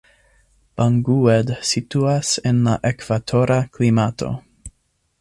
Bangued situas en la ekvatora klimato.